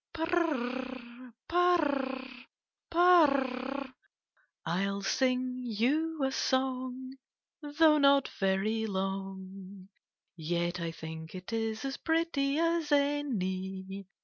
Purr r, purr r, purr r ! I '11 sing you a song. Though not very long, Yet I think it is as pretty as any.